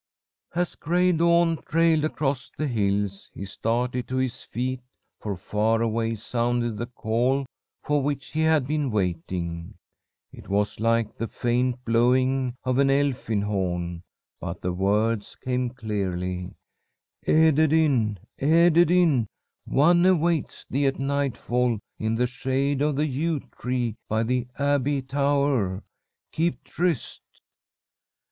"As gray dawn trailed across the hills, he started to his feet, for far away sounded the call for which he had been waiting. It was like the faint blowing of an elfin horn, but the words came clearly. "'Ederyn! Ederyn! One awaits thee at nightfall in the shade of the yew tree by the abbey tower! Keep tryst!'